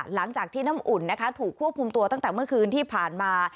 หลังจากที่น้ำอุ่นนะคะถูกควบคุมตัวตั้งแต่เมื่อคืนที่ผ่านมา